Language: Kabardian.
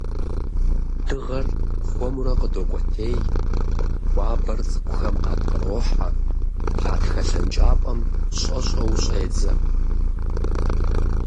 Дыгъэр хуэмурэ къыдокӀуэтей, хуабэр цӀыкӀухэм къапкърохьэ, гъатхэ лъэнкӀапӀэм щӀэщӀэу щӀедзэ.